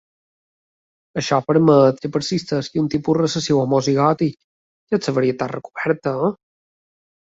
Això permet que persisteixi un tipus recessiu homozigòtic, que és la varietat recoberta.